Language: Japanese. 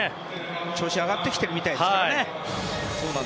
調子が上がってきてるみたいですからね。